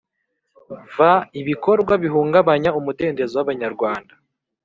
V Ibikorwa bihungabanya umudendezo w abanyarwanda